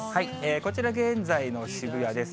こちら、現在の渋谷です。